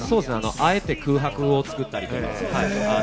あえて空白を作ったりとか。